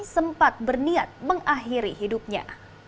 sempat berniat mengakhiri hidupnya